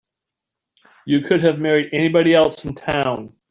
You could have married anybody else in town.